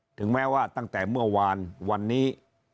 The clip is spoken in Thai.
ถึงแม้ว่าตั้งแต่เมื่อวานวันนี้